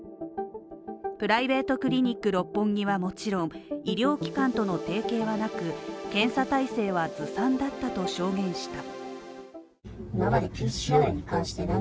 プライベートクリニック六本木はもちろん、医療機関との提携はなく、検査体制はずさんだったと証言した。